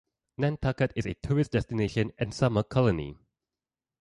Nantucket is a tourist destination and summer colony.